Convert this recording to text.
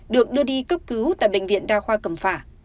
được đưa đi cấp cứu tại bệnh viện đa khoa cầm phả